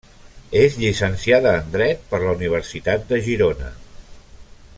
És llicenciada en dret per la Universitat de Girona.